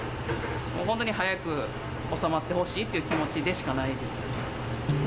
もう本当に早く収まってほしいという気持ちでしかないです。